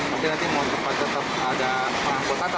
mungkin nanti mau tetap ada perangkota